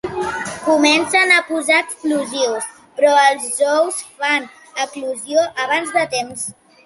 Comencen a posar explosius, però els ous fan eclosió abans de temps.